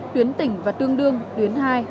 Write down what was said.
tuyến tỉnh và tương đương tuyến hai